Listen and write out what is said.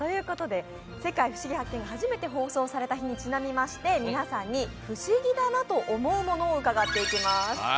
「世界ふしぎ発見！」が初めて放送された日にちなみまして皆さんに不思議だなと思うものを伺っていきます。